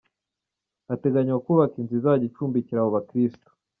Hateganywa kubakwa inzu izajya icumbikira abo bakirisitu.